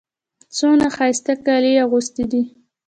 څونه ښایسته کالي يې اغوستي دي.